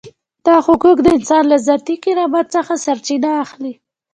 دا حقوق د انسان له ذاتي کرامت څخه سرچینه اخلي.